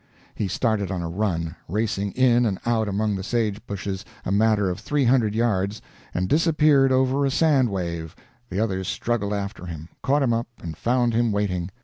He started on a run, racing in and out among the sage bushes a matter of three hundred yards, and disappeared over a sand wave; the others struggled after him, caught him up, and found him waiting.